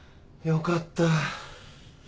よかった。